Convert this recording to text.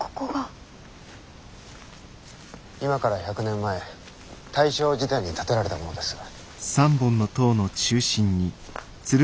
今から１００年前大正時代に建てられたものです。